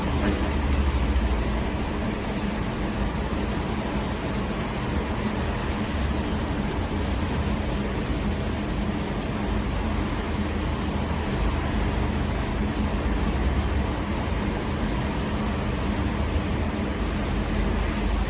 นั่นต้องกินต่อเท่าไหร่ครับ